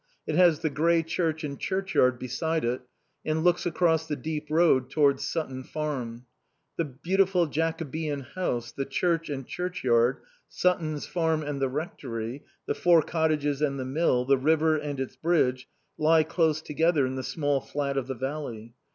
It has the grey church and churchyard beside it and looks across the deep road towards Sutton's farm. The beautiful Jacobean house, the church and church yard, Sutton's farm and the rectory, the four cottages and the Mill, the river and its bridge, lie close together in the small flat of the valley.